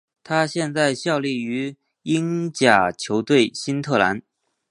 他现在效力于英甲球队新特兰。